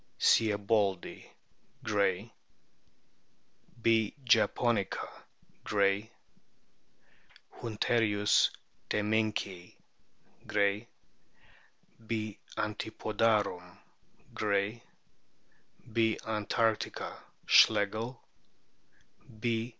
sieboldi, Gray; B.japonica, Gray; Hunterius temminckii, Gray; B. antipodarum, Gray; B. antarctica, Schlegel ; B.